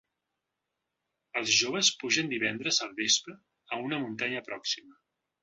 Els joves pugen divendres al vespre a una muntanya pròxima.